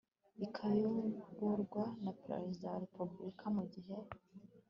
ikayoborwa na Perezida wa Repubulika mu gihe